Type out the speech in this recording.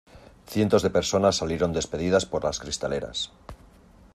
cientos de personas salieron despedidas por las cristaleras.